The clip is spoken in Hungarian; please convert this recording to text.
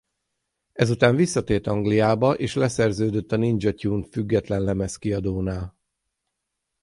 Ezután visszatért Angliába és leszerződött a Ninja Tune független lemezkiadónál.